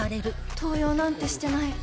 盗用なんてしてない。